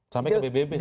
sampai ke pbb